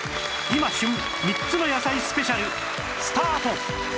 今旬３つの野菜スペシャルスタート！